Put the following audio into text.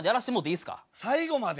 最後まで？